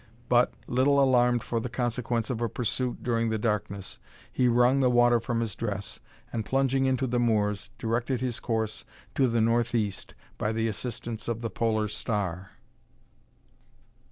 But, little alarmed for the consequence of a pursuit during the darkness, he wrung the water from his dress, and, plunging into the moors, directed his course to the north east by the assistance of the polar star.